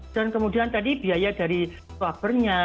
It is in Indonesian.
dan kemudian tadi biaya dari swapernya